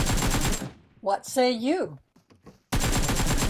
What say you?